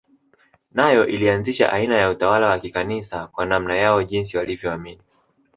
Nayo ilianzisha aina ya utawala wa Kikanisa kwa namna yao jinsi walivyoamini